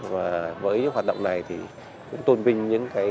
và với hoạt động này thì cũng tôn vinh những cái